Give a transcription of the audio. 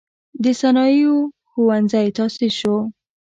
د صنایعو ښوونځی تأسیس شو.